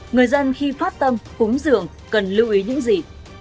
người dân khi phát tâm cúng dường cần lưu ý những gì